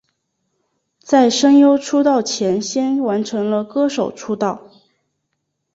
在声优出道前先完成了歌手出道。